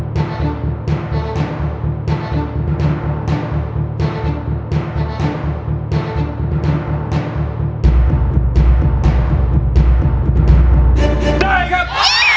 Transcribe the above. ได้ครับ